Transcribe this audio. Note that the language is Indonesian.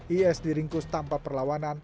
is diringkus tanpa perlawanan